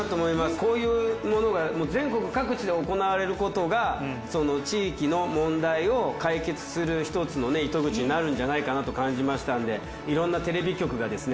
こういうものが全国各地で行われることが地域の問題を解決するひとつの糸口になるんじゃないかなと感じましたんでいろんなテレビ局がですね